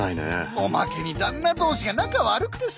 おまけに旦那同士が仲悪くてさ。